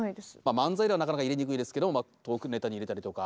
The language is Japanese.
漫才ではなかなか入れにくいですけどトークネタに入れたりとか。